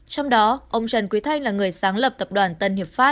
trong đó ông trần quý thanh là người sáng lập tập đoàn tân hiệp pháp